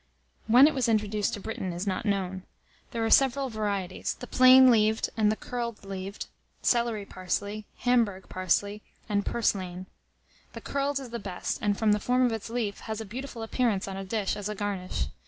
When it was introduced to Britain is not known. There are several varieties, the plain leaved and the curled leaved, celery parsley, Hamburg parsley, and purslane. The curled is the best, and, from the form of its leaf, has a beautiful appearance on a dish as a garnish.